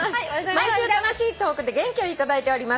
「毎週楽しいトークで元気を頂いております」